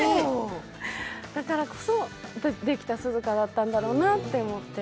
だからこそ、できた涼香だったんだなと思って。